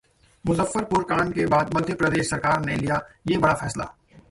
मुजफ्फरपुर कांड के बाद मध्य प्रदेश सरकार ने लिया ये बड़ा फैसला